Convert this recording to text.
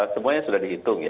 semuanya sudah dihitung ya